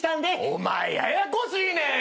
お前ややこしいねん！